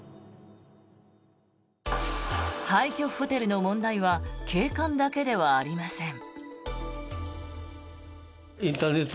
廃虚ホテルの問題は景観だけではありません。